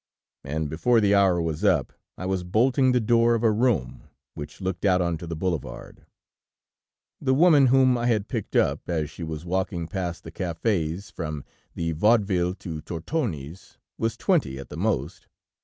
"And before the hour was up, I was bolting the door of a room, which looked out onto the boulevard. "The woman whom I had picked up, as she was walking past the cafés, from the Vaudeville to Tortoni's, was twenty at the most.